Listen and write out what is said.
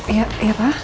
ya ya pak